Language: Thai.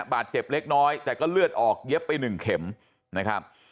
บาดเจ็บเล็กน้อยแต่ก็เลือดออกเย็บไป๑เข็มนะครับ